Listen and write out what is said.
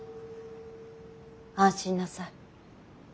安心なさい。